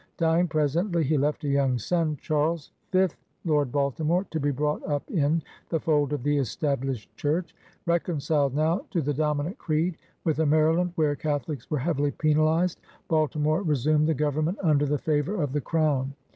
Dying presently, he left a young son, Charles, fifth Lord Baltimore, to be brought up in the fold of the Established Church. Reconciled now to the dominant creed, with a Maryland where Catholics were heavily penalized, Baltimore re sumed the government under favor of the Crown.